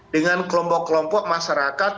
dengan kelompok kelompok masyarakat